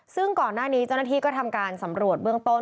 ซึ่งก่อนหน้านี้เจ้าหน้าที่ก็ทำการสำรวจเบื้องต้น